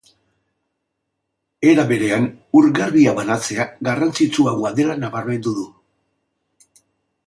Era berean, ur garbia banatzea garrantzitsuagoa dela nabarmendu du.